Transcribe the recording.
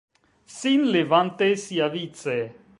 Sin levante siavice: